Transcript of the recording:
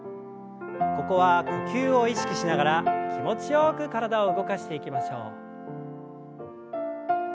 ここは呼吸を意識しながら気持ちよく体を動かしていきましょう。